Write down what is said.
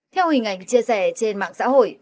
theo hình ảnh chia sẻ trên mạng xã hội